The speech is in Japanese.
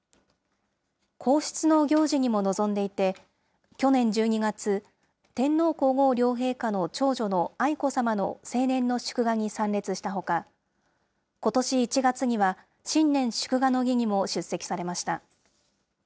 皇室の行事にも臨んでいて、去年１２月、天皇皇后両陛下の長女の愛子さまの成年の祝賀に参列したほか、ことし１月には、新年祝賀の儀にも出席されました。